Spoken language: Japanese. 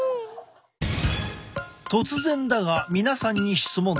突然だが皆さんに質問だ。